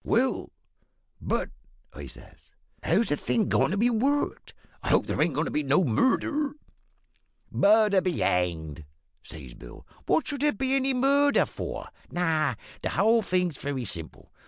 "`Well, but,' I says, `how's the thing goin' to be worked? I hope there ain't goin' to be no murder!' "`Murder be hanged!' says Bill. `What should there be any murder for? No; the whole thing's very simple.